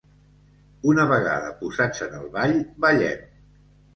Una vegada posats en el ball, ballem.